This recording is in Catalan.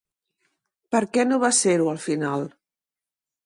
Per què no va ser-ho al final?